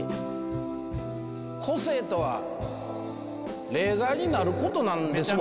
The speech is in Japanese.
個性とは例外になることなんですわ。